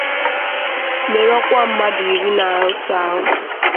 merụọkwa mmadụ iri na otu ahụ.